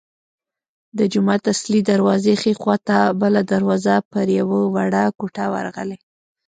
د جومات اصلي دروازې ښي خوا ته بله دروازه پر یوه وړه کوټه ورغلې.